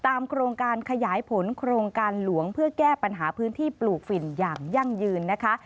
โครงการขยายผลโครงการหลวงเพื่อแก้ปัญหาพื้นที่ปลูกฝิ่นอย่างยั่งยืนนะคะ